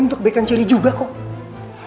untuk kebaikan cherry juga kok